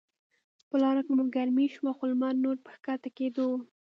په لاره کې مو ګرمي شوه، خو لمر نور په کښته کیدو و.